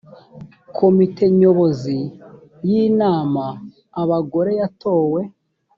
komite nyobozi y’inama abagore yatowe